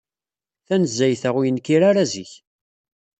Tanezzayt-a, ur yenkir ara zik.